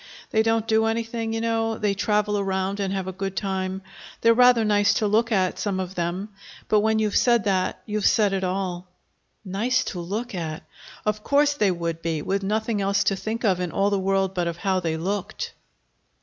They don't do anything, you know they travel around and have a good time. They're rather nice to look at, some of them. But when you've said that you've said it all." Nice to look at! Of course they would be, with nothing else to think of in all the world but of how they looked.